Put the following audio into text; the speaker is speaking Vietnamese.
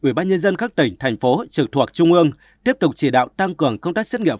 ubnd các tỉnh thành phố trực thuộc trung ương tiếp tục chỉ đạo tăng cường công tác xét nghiệm